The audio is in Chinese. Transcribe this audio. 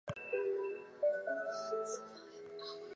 其孢子印呈白色。